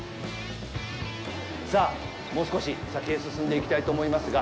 さあ、もう少し先へ進んでいきたいと思いますが。